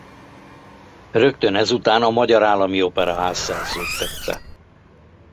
Rögtön ezután a Magyar Állami Operaház szerződtette.